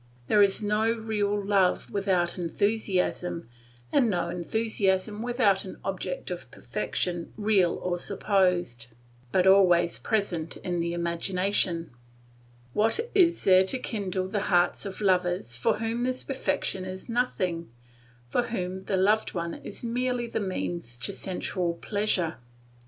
There is no real love without enthusiasm, and no enthusiasm without an object of perfection real or supposed, but always present in the imagination. What is there to kindle the hearts of lovers for whom this perfection is nothing, for whom the loved one is merely the means to sensual pleasure?